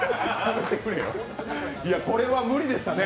これは無理でしたね。